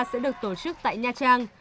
sẽ được tổ chức tại nha trang